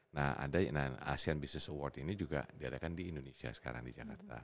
nah ada asean business award ini juga diadakan di indonesia sekarang di jakarta